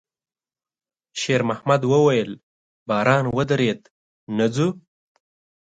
شېرمحمد وويل: «باران ودرېد، نه ځو؟»